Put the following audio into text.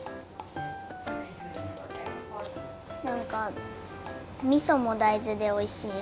なんかみそも大豆でおいしい！